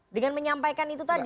dengan menyampaikan itu tadi